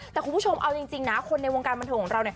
แต่คุณผู้ชมเอาจริงนะคนในวงการบันเทิงของเรา